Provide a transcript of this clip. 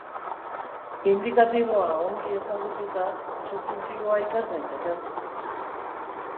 Indikatiboa ongi ezagututa, subjuntiboa ikas daiteke.